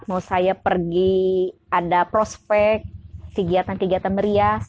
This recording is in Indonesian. mau saya pergi ada prospek kegiatan kegiatan merias